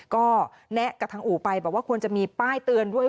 ก็แนะกับทางอู่ไปบอกว่าควรจะมีป้ายเตือนด้วย